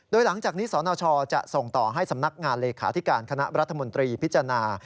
โดยหลังจากนี้สนชจะส่งต่อให้สำนักงานเลขาธิการคณะรัฐมนตรีพิจารณา